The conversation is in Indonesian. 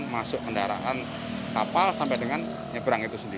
masuk kendaraan kapal sampai dengan nyebrang itu sendiri